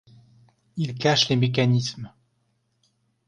Ils cachent les mécanismes.